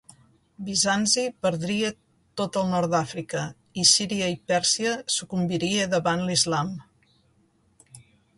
Bizanci perdria tot el nord d'Àfrica i Síria i Pèrsia sucumbiria davant l'Islam.